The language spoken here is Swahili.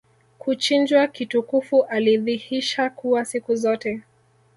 kuchinjwa kitukufu alidhihisha kuwa siku zote